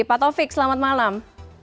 pak taufik selamat malam